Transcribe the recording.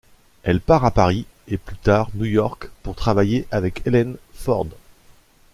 Elle part à Paris et plus tard New York pour travailler avec Eileen Ford.